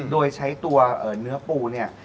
โดยใช้ตัวเนื้อปูเนี่ย